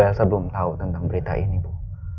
saya belum tahu tentang berita ini bu